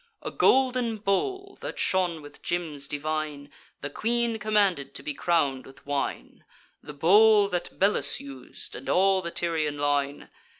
A golden bowl, that shone with gems divine, The queen commanded to be crown'd with wine: The bowl that Belus us'd, and all the Tyrian line.